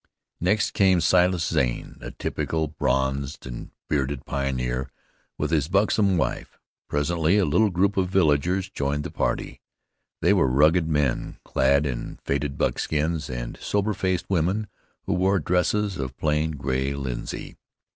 Next came Silas Zane, a typical bronzed and bearded pioneer, with his buxom wife. Presently a little group of villagers joined the party. They were rugged men, clad in faded buckskins, and sober faced women who wore dresses of plain gray linsey.